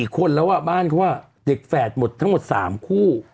๔คนแล้วอ่ะบ้านเค้าว่าเด็กแฟดทั้งหมด๓คู่